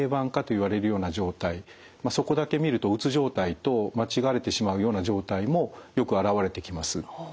そこだけ見るとうつ状態と間違われてしまうような状態もよく現れてきます。